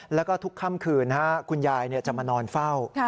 แล้วก็ทุกค่ำคืนคุณยายจะมานอนเฝ้า